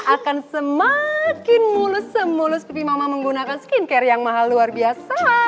akan semakin mulus semulus pipi mama menggunakan skincare yang mahal luar biasa